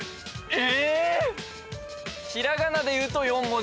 え？